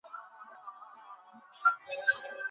পবিত্র হওয়াই মুক্তিলাভের অতি সহজ পথ।